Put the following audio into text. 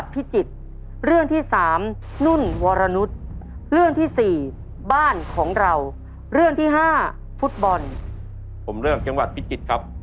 ผมเรื่องจังหวัดพิจิตครับ